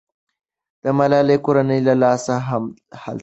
د ملالۍ کورنۍ لا اوس هم هلته ده.